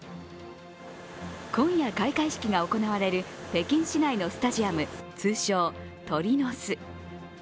今夜、開会式が行われる北京市内のスタジアム、通称・鳥の巣。